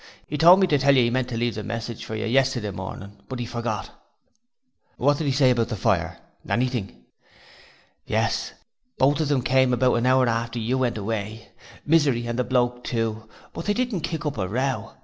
'E told me to tell you 'e meant to leave a message for you yesterday morning, but 'e forgot.' 'What did he say to you about the fire anything?' 'Yes: they both of 'em came about an hour after you went away Misery and the Bloke too but they didn't kick up a row.